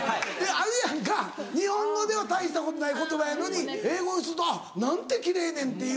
あるやんか日本語では大したことない言葉やのに英語にするとあっ何て奇麗ねんっていう。